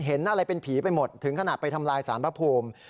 เห็นอะไรเป็นผีไปหมดถึงขนาดไปทำลายสารพระภูมิ